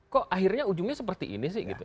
kok akhirnya ujungnya seperti ini sih gitu